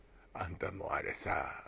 あんたもうあれさ。